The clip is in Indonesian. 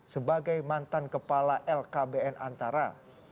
sebagai mantan kepala lkbn antara